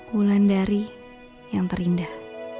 mulan dari yang terindah